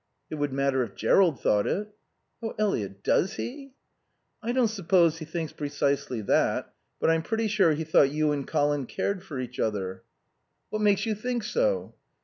"It would matter if Jerrold thought it." "Oh Eliot does he?" "I don't suppose he thinks precisely that. But I'm pretty sure he thought you and Colin cared for each other." "What makes you think so?"